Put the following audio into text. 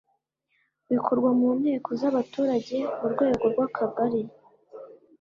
bikorwa mu nteko z’abaturage ku rwego rw’akagari